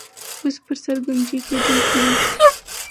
اوس پر سر ګنجۍ کېدونکی دی.